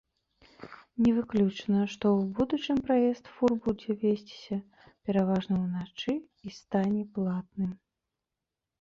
Не выключана, што ў будучым праезд фур будзе весціся пераважна ўначы і стане платным.